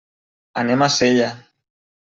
Anem a Sella.